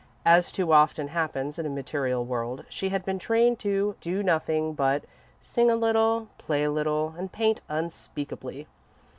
As too often happens in a material world, she had been trained to do nothing but sing a little, play a little, and paint unspeakably.